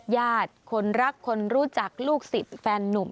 ญาติคนรักคนรู้จักลูกศิษย์แฟนนุ่ม